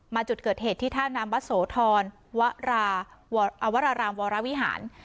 มาจุดเกิดเหตุที่ท่านนำบัตรโสธรวรารามวรวิหาร